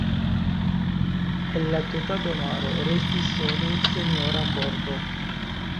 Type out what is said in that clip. El la tuta domaro restis sole senjora korto.